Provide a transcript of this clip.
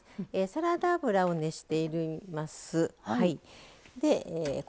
サラダ油を熱しています。